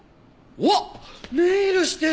おっネイルしてる！